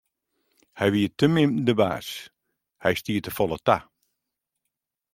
Hy wie te min de baas, hy stie te folle ta.